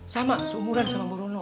sama seumuran sama bau rono